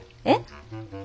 えっ。